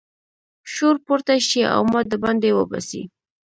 شور پورته شي او ما د باندې وباسي.